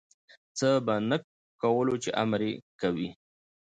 څه په نه کولو چی امر کوی